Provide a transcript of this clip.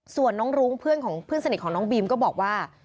ส่วนน้องรุ้งเพื่อนสนิทของน้องบีมก็บอกว่า